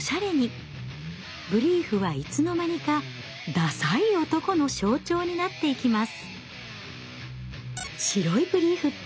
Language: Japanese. ブリーフはいつの間にかダサい男の象徴になっていきます。